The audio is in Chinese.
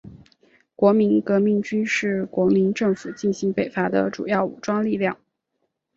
国民革命军是国民政府进行北伐的主要武装力量。